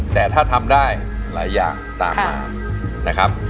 แต่ถ้าทำได้หลายอย่างตามมานะครับ